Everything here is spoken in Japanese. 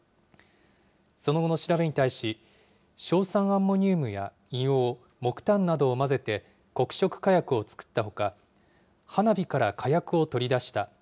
その後の調べに対し、硝酸アンモニウムや硫黄、木炭などを混ぜて黒色火薬を作ったほか、花火から火薬を取り出した。